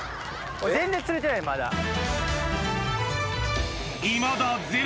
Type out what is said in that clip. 俺全然釣れてないまだ。